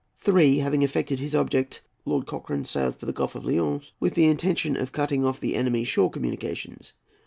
3. Having effected his object, Lord Cochrane sailed for the Gulf of Lyons, with the intention of cutting off the enemy's shore communications.